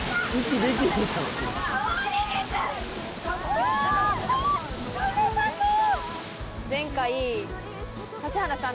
・・うわ冷たそう！